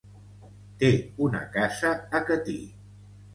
Té una casa a Catí.